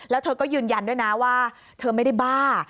แล้วเธอก็ยืนยันด้วยนะว่าเธอไม่ได้บ้า